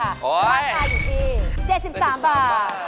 ราคาอยู่ที่๗๓บาท